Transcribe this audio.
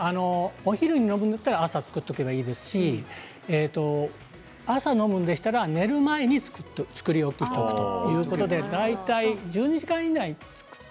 お昼に飲むんだったら朝作っておけばいいですし朝、飲むのでしたら夜、寝る前に作っておくと大体１２時間以内に作って。